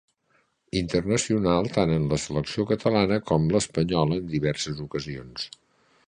Internacional tant en la selecció catalana com l'espanyola en diverses ocasions.